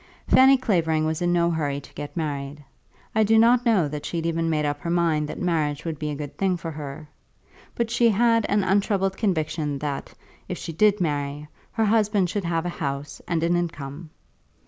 Fanny Clavering was in no hurry to get married. I do not know that she had even made up her mind that marriage would be a good thing for her; but she had an untroubled conviction that if she did marry, her husband should have a house and an income.